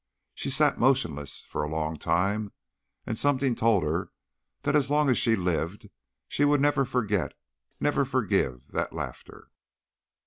She sat motionless for a long time, and something told her that as long as she lived she would never forget, never forgive, that laughter.